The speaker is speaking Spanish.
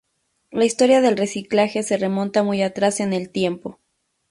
La historia del reciclaje se remonta muy atrás en el tiempo.